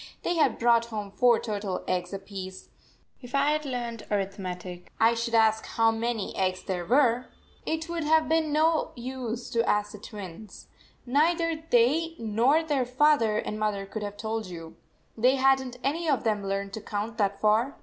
They had brought home four turtle eggs apiece. If I were an arithmetic, I should ask how many eggs 73 there were! It would have been of no use to ask the Twins. Neither they nor their father and mother could have told you. They had n t any of them learned to count that far.